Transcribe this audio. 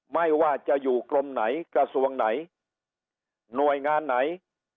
ไม่ว่าจะอยู่กรมไหนกระทรวงไหนหน่วยงานไหน